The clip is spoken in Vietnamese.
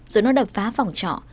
rồi nó đập phá phòng trọ